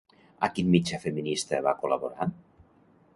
A quin mitjà feminista va col·laborar?